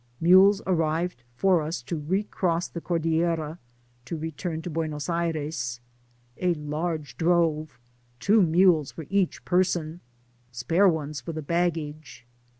— Mules ar rived for us to recross the Cordillera to return to Buenos Aires — a large drove — two mules for each person — ^spare ones for the baggage.